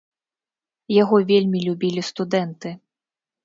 Яго вельмі любілі студэнты.